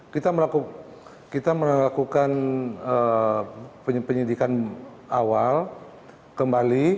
kita melakukan penyelidikan awal kembali